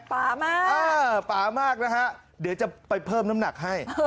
ป่ามากป่ามากนะฮะเดี๋ยวจะไปเพิ่มน้ำหนักให้